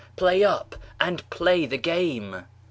play up! and play the game!"